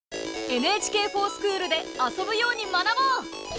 「ＮＨＫｆｏｒＳｃｈｏｏｌ」で遊ぶように学ぼう！